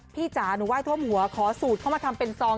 จ๋าหนูไห้ท่วมหัวขอสูตรเข้ามาทำเป็นซอง